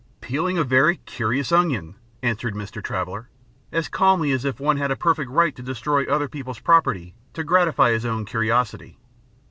"Peeling a very curious onion," answered Mr. Traveller, as calmly as if one had a perfect right to destroy other people's property to gratify his own curiosity.